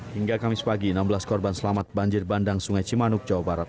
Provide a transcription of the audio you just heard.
hingga kamis pagi enam belas korban selamat banjir bandang sungai cimanuk jawa barat